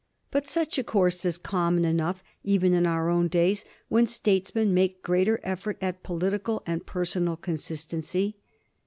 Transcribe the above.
But such a course is comfi^on enough even in our own days, when statesmen make greater effort at political and personal consistency.